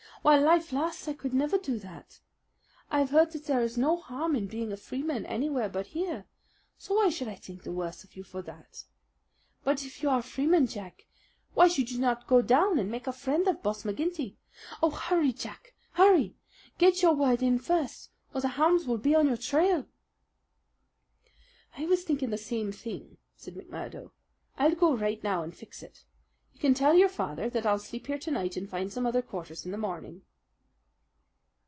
While life lasts I could never do that! I've heard that there is no harm in being a Freeman anywhere but here; so why should I think the worse of you for that? But if you are a Freeman, Jack, why should you not go down and make a friend of Boss McGinty? Oh, hurry, Jack, hurry! Get your word in first, or the hounds will be on your trail." "I was thinking the same thing," said McMurdo. "I'll go right now and fix it. You can tell your father that I'll sleep here to night and find some other quarters in the morning."